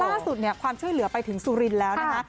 ล่าสุดเนี่ยความช่วยเหลือไปถึงสุรินทร์แล้วนะคะ